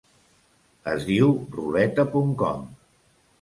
Es diu ruleta.com.